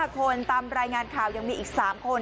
๕คนตามรายงานข่าวยังมีอีก๓คน